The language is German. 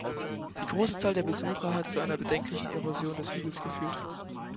Die große Zahl der Besucher hat zu einer bedenklichen Erosion des Hügels geführt.